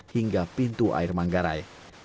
hingga pintu air manggarai